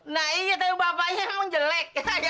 nah iya tapi bapaknya emang jelek